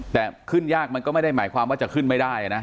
แต่ขึ้นยากมันก็ไม่ได้หมายความว่าจะขึ้นไม่ได้นะ